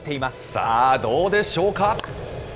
さあ、どうでしょうか。